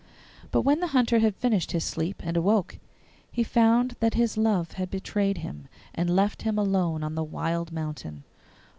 But when the Hunter had finished his sleep and awoke, he found that his love had betrayed him and left him alone on the wild mountain.